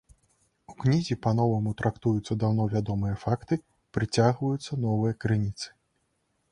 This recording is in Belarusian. У кнізе па-новаму трактуюцца даўно вядомыя факты, прыцягваюцца новыя крыніцы.